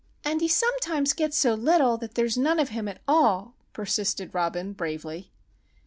"And he sometimes gets so little that there's none of him at all," persisted Robin, bravely.